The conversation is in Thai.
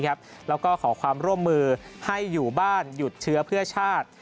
แล้วก็ขอความร่วมมือให้อยู่บ้านหยุดเชื้อเพื่อชาติ